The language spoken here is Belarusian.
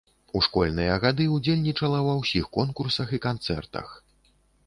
У школьныя гады ўдзельнічала ва ўсіх конкурсах і канцэртах.